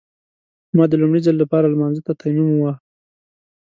ما د لومړي ځل لپاره لمانځه ته تيمم وواهه.